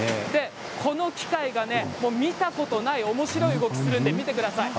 この機械は見たことないおもしろい動きをするので見てください。